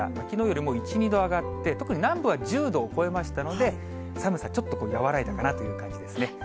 きのうよりも１、２度上がって、特に南部は１０度を超えましたので、寒さ、ちょっと和らいだかなという感じですね。